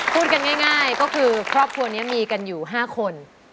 พูดกันง่ายก็คือครอบครัวนี้มีกันอยู่๕คน